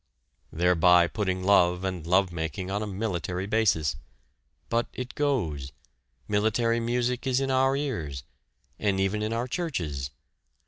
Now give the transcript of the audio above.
thereby putting love and love making on a military basis but it goes! Military music is in our ears, and even in our churches.